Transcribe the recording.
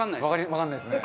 わかんないですね。